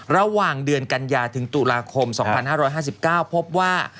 ระหว่างเดือนกันยาถึงตุลาคม๒๕๕๙พบว่า